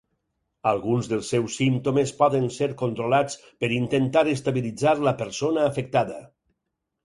Alguns dels seus símptomes poden ser controlats per intentar estabilitzar la persona afectada.